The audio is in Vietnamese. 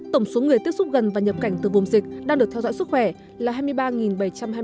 tổng số người tiếp xúc gần và nhập cảnh từ vùng dịch đang được theo dõi sức khỏe là hai mươi ba bảy trăm hai mươi bốn người